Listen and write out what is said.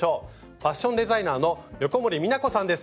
ファッションデザイナーの横森美奈子さんです。